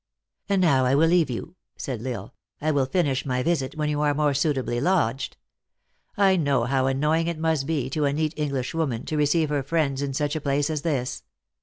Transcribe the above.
" And now I will leave you," said L Isle ;" I will THE ACTRESS IN HIGH LIFE. 71 finish my visit when you are more suitably lodged. I know how annoying it must be to a neat English woman to receive her friends in such a place as this."